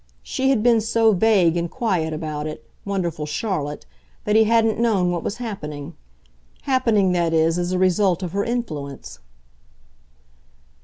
She had been so vague and quiet about it, wonderful Charlotte, that he hadn't known what was happening happening, that is, as a result of her influence.